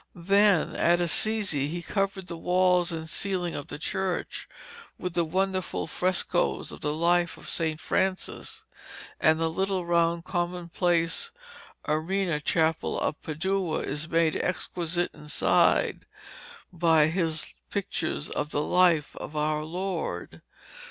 Then, at Assisi, he covered the walls and ceiling of the church with the wonderful frescoes of the life of St. Francis; and the little round commonplace Arena Chapel of Padua is made exquisite inside by his pictures of the life of our Lord.